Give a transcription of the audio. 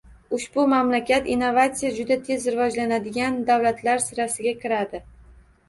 Ushbu mamlakat innovatsiya juda tez rivojlanadigan davlatlar sirasiga kiradi.